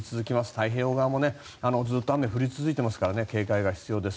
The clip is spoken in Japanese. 太平洋側もずっと雨降り続いていますから警戒が必要です。